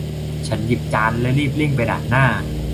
ฉันหยิบจานและรีบเร่งไปด้านหน้า